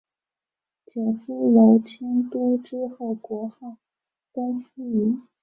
解夫娄迁都之后国号东扶余。